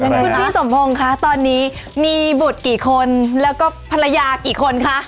คุณพี่สมพงศ์คะตอนนี้มีบุตรกี่คนแล้วก็ภรรยากี่คนคะ